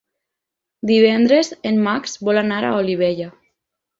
Divendres en Max vol anar a Olivella.